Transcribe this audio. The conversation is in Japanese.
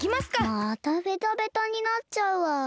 またベタベタになっちゃうわ。